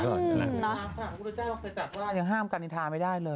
น่าสามารถถามพุทธเจ้าใส่จากว่ายังห้ามกรรณิฐาไม่ได้เลย